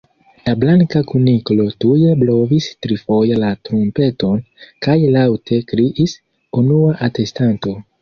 La Blanka Kuniklo tuj blovis trifoje la trumpeton, kaj laŭte kriis:"Unua atestanto!"